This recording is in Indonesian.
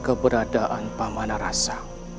keberadaan pamanah rasa